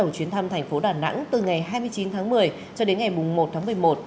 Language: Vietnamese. chuyến thăm thành phố đà nẵng từ ngày hai mươi chín tháng một mươi cho đến ngày một tháng một mươi một